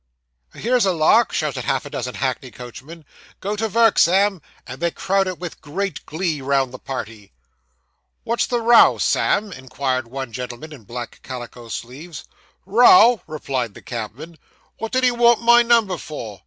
'Here's a lark!' shouted half a dozen hackney coachmen. 'Go to vork, Sam! and they crowded with great glee round the party. 'What's the row, Sam?' inquired one gentleman in black calico sleeves. 'Row!' replied the cabman, 'what did he want my number for?